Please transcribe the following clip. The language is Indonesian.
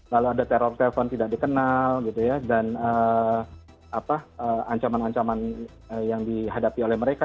lalu ada teror telepon tidak dikenal dan ancaman ancaman yang dihadapi oleh mereka